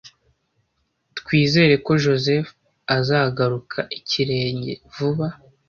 Twizere ko Joseph azagaruka ikirenge vuba.